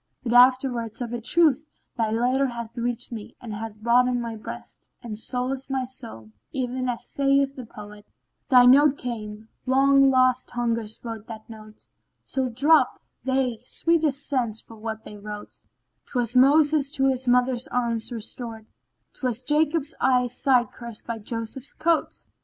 But afterwards of a truth thy letter hath reached me and hath broadened my breast, and solaced my soul, even as saith the poet, "Thy note came: long lost hungers wrote that note, * Till drop they sweetest scents for what they wrote: Twas Moses to his mother's arms restored; * 'Twas Jacob's eye sight cured by Joseph's coat!"